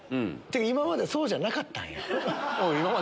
今までそうじゃなかったんや。